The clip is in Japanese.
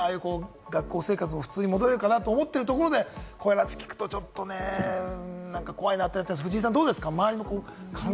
学校生活も普通に戻れるかなと思っているところで、こういう話を聞くとちょっとね、怖いなと思うんですけれども藤井さん、どうですか？